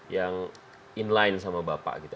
yang inline sama bapak gitu